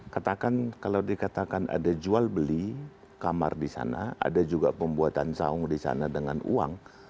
katakan kalau dikatakan ada jual beli kamar di sana ada juga pembuatan saung di sana dengan uang